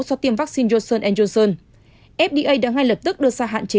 do tiêm vaccine johnson junseon fda đã ngay lập tức đưa ra hạn chế